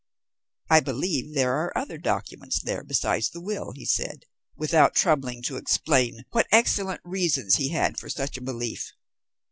"I believe there are other documents there besides the will," he said, without troubling to explain what excellent reasons he had for such a belief.